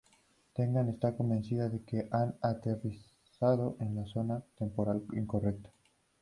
Tegan está convencida de que han aterrizado en la zona temporal incorrecta.